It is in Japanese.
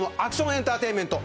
エンターテインメント